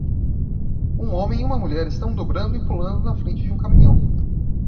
Um homem e uma mulher estão dobrando e pulando na frente de um caminhão.